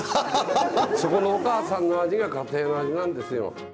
そこのお母さんの味が家庭の味なんですよ。